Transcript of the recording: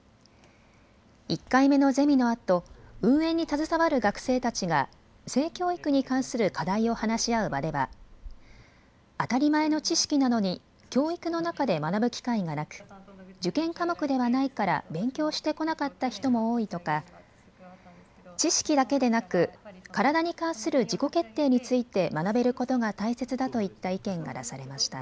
１回目のゼミのあと運営に携わる学生たちが性教育に関する課題を話し合う場では当たり前の知識なのに教育の中で学ぶ機会がなく受験科目ではないから勉強してこなかった人も多いとか知識だけでなく体に関する自己決定について学べることが大切だといった意見が出されました。